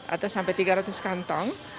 atau sampai tiga ratus kantong